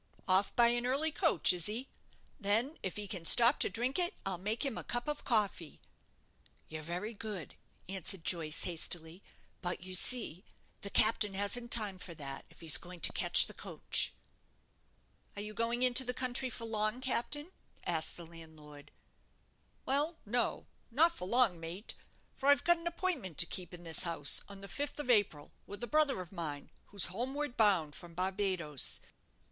"Off by an early coach, is he? Then, if he can stop to drink it, I'll make him a cup of coffee." "You're very good," answered Joyce, hastily; "but you see, the captain hasn't time for that, if he's going to catch the coach." "Are you going into the country for long, captain?" asked the landlord. "Well, no; not for long, mate; for I've got an appointment to keep in this house, on the fifth of April, with a brother of mine, who's homeward bound from Barbadoes.